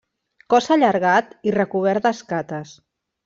Cos allargat i recobert d'escates.